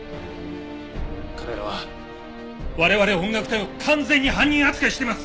彼らは我々音楽隊を完全に犯人扱いしています！